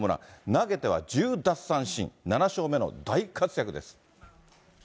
投げては１０奪三振、７勝目の大活躍です。